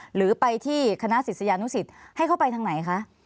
หรือไปที่คณะศิษยานุสิตให้เข้าไปทางไหนคะ